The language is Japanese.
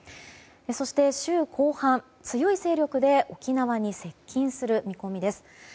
そして週後半、強い勢力で沖縄に接近する見込みです。